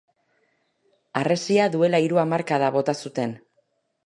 Harresia duela hiru hamarkada bota zuten.